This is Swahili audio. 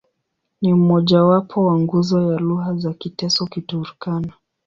Ni mmojawapo wa nguzo ya lugha za Kiteso-Kiturkana.